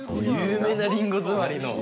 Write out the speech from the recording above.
有名なリンゴ詰まりの。